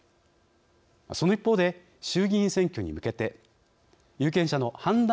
その一方で、衆議院選挙に向けて有権者の判断